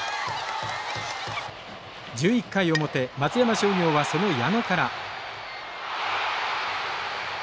１１回表松山商業はその矢野から。